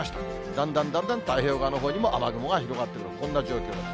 だんだんだんだん太平洋側のほうにも雨雲が広がってくる、こんな状況です。